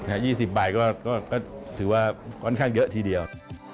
อ่ายี่สิบใบก็ก็ก็ถือว่าค่อนข้างเยอะทีเดียว